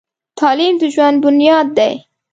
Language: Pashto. تعلیم د ژوند بنیاد دی.